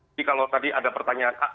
jadi kalau tadi ada pertanyaan